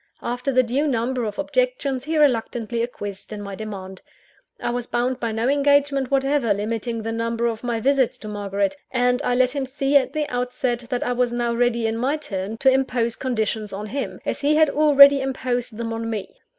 After the due number of objections, he reluctantly acquiesced in my demand. I was bound by no engagement whatever, limiting the number of my visits to Margaret; and I let him see at the outset, that I was now ready in my turn, to impose conditions on him, as he had already imposed them on me.